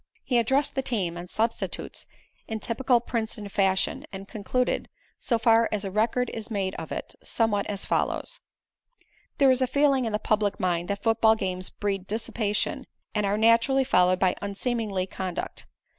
He addressed the team and substitutes in typical Princeton fashion and concluded, so far as a record is made of it, somewhat as follows: "There is a feeling in the public mind that football games breed dissipation and are naturally followed by unseemly conduct.